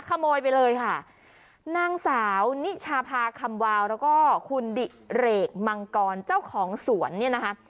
ขโมยไปเลยค่ะนางสาวนิชาพาคำวาวแล้วก็คุณดิเรกมังกรเจ้าของสวนเนี่ยนะคะ